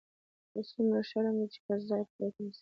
څومره شرم دى چې پر ځاى پروت اوسې.